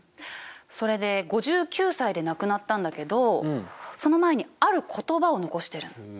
それで５９歳で亡くなったんだけどその前にある言葉を残してる。